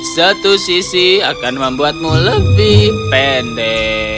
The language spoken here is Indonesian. satu sisi akan membuatmu lebih pendek